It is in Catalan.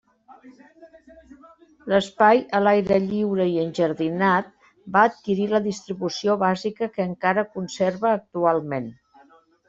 L'espai, a l'aire lliure i enjardinat, va adquirir la distribució bàsica que encara conserva actualment.